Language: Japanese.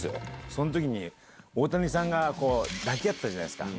その時に大谷さんが抱き合ってたじゃないですか。